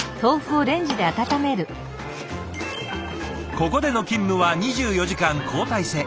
ここでの勤務は２４時間交代制。